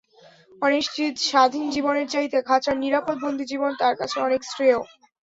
অনিশ্চিত স্বাধীন জীবনের চাইতে খাঁচার নিরাপদ বন্দী জীবন তার কাছে অনেক শ্রেয়।